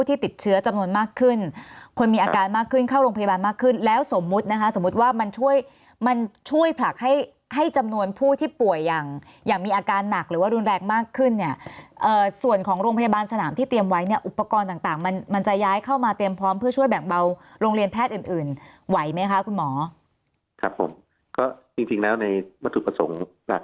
ติดเชื้อจำนวนมากขึ้นคนมีอาการมากขึ้นเข้าโรงพยาบาลมากขึ้นแล้วสมมุตินะคะสมมุติว่ามันช่วยมันช่วยผลักให้ให้จำนวนผู้ที่ป่วยอย่างอย่างมีอาการหนักหรือว่ารุนแรงมากขึ้นเนี่ยอ่าส่วนของโรงพยาบาลสนามที่เตรียมไว้เนี่ยอุปกรณ์ต่างต่างมันมันจะย้ายเข้ามาเตรียมพร้อมเพื่อช่วยแบ่ง